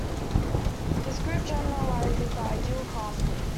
This group generalises the ideal class group.